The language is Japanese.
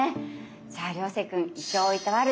じゃあ涼星君胃腸をいたわる